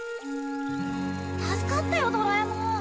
助かったよドラえもん。